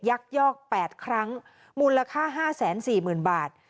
ยักยอก๘ครั้งมูลค่า๕๔๐๐๐บาท